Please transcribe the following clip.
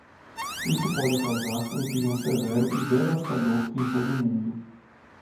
Isso pode causar um clima severo e devastador em todo o mundo.